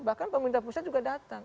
bahkan pemerintah pusat juga datang